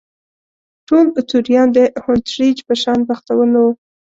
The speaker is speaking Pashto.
ټول توریان د هونټریج په شان بختور نه وو.